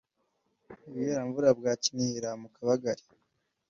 i Bweramvura bwa Kinihira mu Kabagali